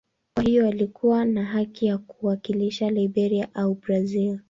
Kwa hiyo alikuwa na haki ya kuwakilisha Liberia au Brazil.